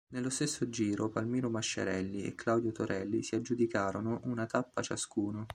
Nello stesso Giro Palmiro Masciarelli, e Claudio Torelli si aggiudicarono una tappa ciascuno.